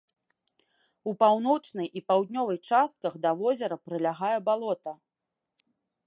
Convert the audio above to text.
У паўночнай і паўднёвай частках да возера прылягае балота.